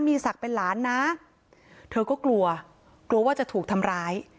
มีศักดิ์เป็นหลานนะเธอก็กลัวกลัวว่าจะถูกทำร้าย